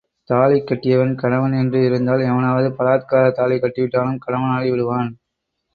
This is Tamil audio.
தாலி கட்டியவன் கணவன் என்று இருந்தால் எவனாவது பலாத்காரத் தாலி கட்டிவிட்டாலும் கணவனாகி விடுவான்.